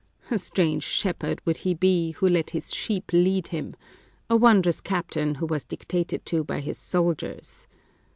A strange shepherd would he be, who let his sheep lead him ; a wondrous captain, who was dictated to by his soldiers